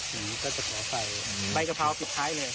ใบกระพาวเอาบริสุทธิ์แรงที่ใส่